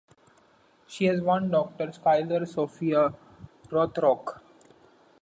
She has one daughter Skylar Sophia Rothrock.